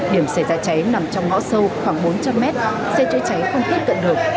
điểm xảy ra cháy nằm trong ngõ sâu khoảng bốn trăm linh mét xe chữa cháy không tiếp cận được